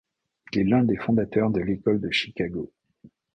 Il est l'un des fondateurs de l'école de Chicago.